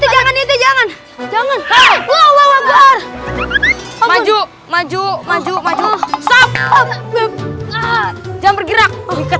jauh jauh jauh jauh jangan bergerak